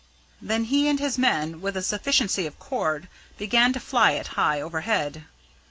Then he and his men, with a sufficiency of cord, began to fly it high overhead.